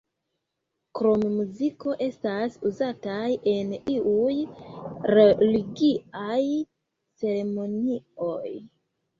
Krom muziko estas uzataj en iuj religiaj ceremonioj.